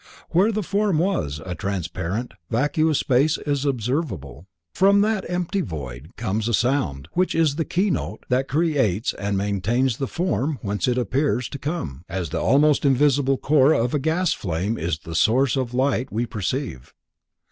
Where the form was, a transparent, vacuous space is observable. From that empty void comes a sound which is the "keynote" that creates and maintains the form whence it appears to come, as the almost invisible core of a gas flame is the source of the light we perceive.